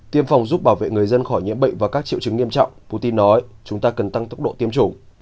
tiêm phòng giúp bảo vệ người dân khỏi nhiễm bệnh và các triệu chứng nghiêm trọng putin nói chúng ta cần tăng tốc độ tiêm chủng